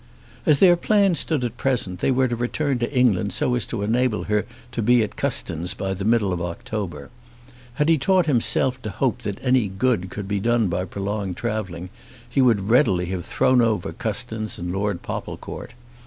As their plans stood at present, they were to return to England so as to enable her to be at Custins by the middle of October. Had he taught himself to hope that any good could be done by prolonged travelling he would readily have thrown over Custins and Lord Popplecourt.